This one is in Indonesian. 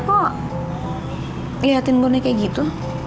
mak kok liatin murni kayak gitu